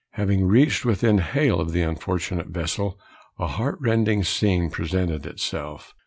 Having reached within hail of the unfortunate vessel, a heart rending scene presented itself.